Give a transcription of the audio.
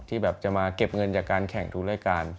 แบบจะมาเก็บเงินจากการแข่งทุกรายการ